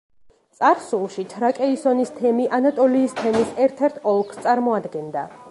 წარსულში თრაკესიონის თემი ანატოლიის თემის ერთ-ერთ ოლქს წარმოადგენდა.